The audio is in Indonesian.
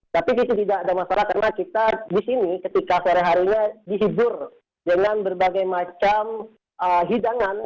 tapi itu tidak ada masalah karena kita di sini ketika sore harinya dihibur dengan berbagai macam hidangan